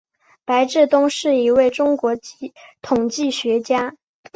白志东是一位中国统计学家。